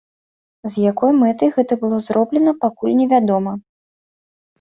З якой мэтай гэта было зроблена, пакуль невядома.